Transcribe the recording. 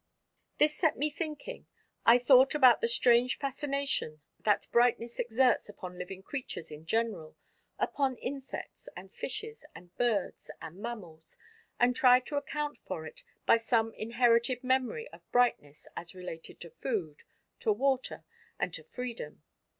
This set me thinking. I thought about the strange fascination that brightness exerts upon living creatures in general, upon insects and fishes and birds and mammals, and tried to account for it by some inherited memory of brightness as related to food, to water, and to freedom.